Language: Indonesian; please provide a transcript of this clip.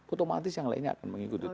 otomatis yang lainnya akan mengikuti